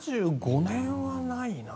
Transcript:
７５年はないな。